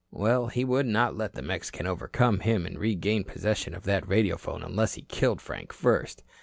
Well, he would not let the Mexican overcome him and regain possession of that radiophone unless he killed Frank first.